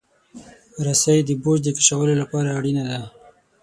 رسۍ د بوج د کشولو لپاره اړینه ده.